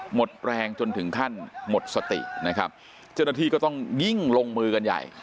หมดแรงจนถึงขั้นหมดสตินะครับเจ้าหน้าที่ก็ต้องยิ่งลงมือกันใหญ่